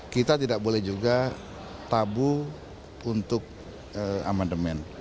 kita tidak boleh juga tabu untuk amendement